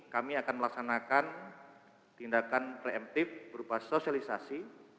kami akan melaksanakan tindakan preemptif berupa sosialisasi